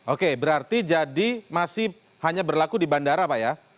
oke berarti jadi masih hanya berlaku di bandara pak ya